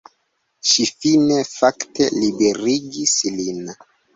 Ŝi fine fakte liberigis lin.